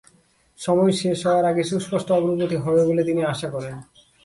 সময় শেষ হওয়ার আগে সুস্পষ্ট অগ্রগতি হবে বলে তিনি আশা করেন।